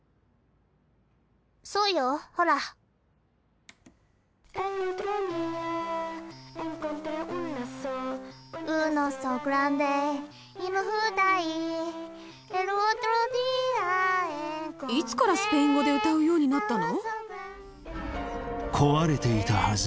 そうよほらいつからスペイン語で歌うようになったの？